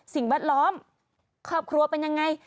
สิ่งบัตรล้อมขอบครัวเป็นอย่างไร